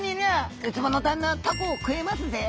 ウツボの旦那はタコを食えますぜ」。